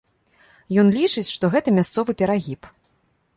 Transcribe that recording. Ён лічыць, што гэта мясцовы перагіб.